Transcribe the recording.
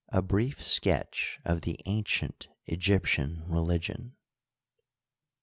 ^ Brief Sketch of the Ancient Egyptian Religion.